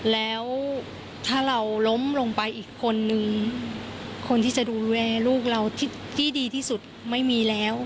แล้วถ้าเราล้มลงไปอีกคนนึงคนที่จะดูแลลูกเราที่ดีที่สุดไม่มีแล้ว